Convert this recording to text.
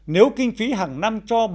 nếu kinh phí hàng năm cho bỏ